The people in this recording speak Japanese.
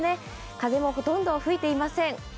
風もほとんど吹いていません。